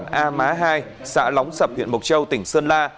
khu vực bản a má hai xã lóng sập huyện mộc châu tỉnh sơn la